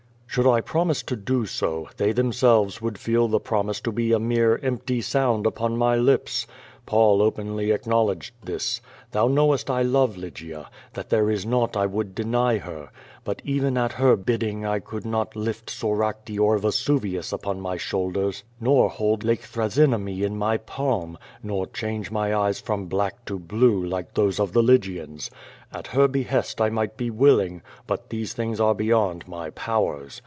Should I promise to do so, they themselves would feel the promise to be a mere empty sound u|")on my lips. Paul open ly acknowledged this. Thou knowest I love Lygia, that tliere is nought I would deny her. But even at her bidding I e<nild not lift Soracte or Vesuvius ujwn my shouldc^rs, nor hold I .ake Thrasymene in my palm, nor change my eyes from black to blue, like those of the Lygians. At her behest 1 might be willing, but these things arc beyond my powers.